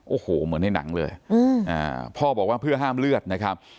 โอ้โหเหมือนในหนังเลยพ่อบอกว่าเพื่อห้ามเลือดนะครับ